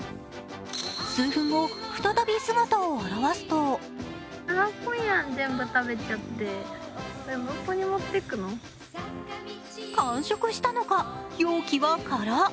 数分後、再び姿を現すと完食したのか、容器はカラ。